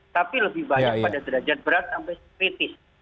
tapi lebih banyak pada derajat berat sampai kritis